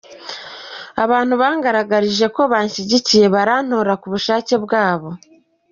Abantu bangaragarije ko banshyigikiye barantora ku bushake bwabo.